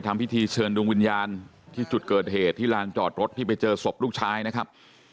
ทำพิธีเชิญดวงวิญญาณที่จุดเกิดเหตุที่ลานจอดรถที่ไปเจอศพลูกชายนะครับ